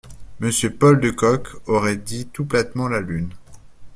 Monsieur Paul de Kock aurait dit tout platement la lune …